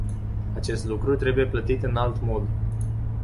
Acest lucru trebuie plătit în alt mod.